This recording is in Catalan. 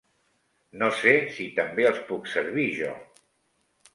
No sé si també els puc servir jo.